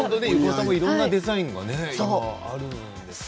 いろんなデザインがあるんですね。